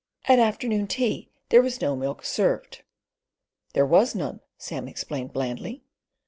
At afternoon tea there was no milk served. "There was none," Sam explained blandly.